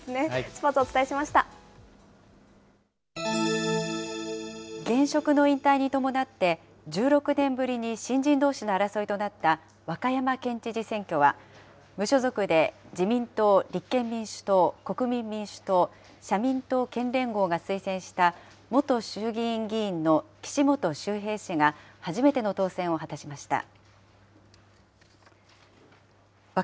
スポーツお伝え現職の引退に伴って、１６年ぶりに新人どうしの争いとなった和歌山県知事選挙は、無所属で、自民党、立憲民主党、国民民主党、社民党県連合が推薦した、元衆議院議員の岸本周平氏が、初めての当選を果たしました。